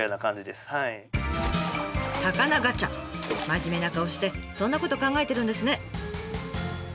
真面目な顔してそんなこと考えてるんですね。